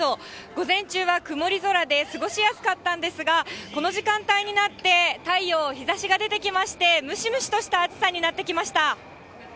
午前中は曇り空で過ごしやすかったんですが、この時間帯になって、太陽、日ざしが出てきまして、ムシムシとした暑さになってきました。